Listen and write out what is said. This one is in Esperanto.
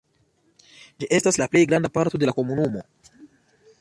Ĝi estas la plej granda parto de la komunumo.